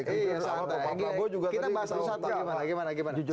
kita bahas satu satu